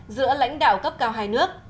giữa lãnh đạo cấp cao hai nước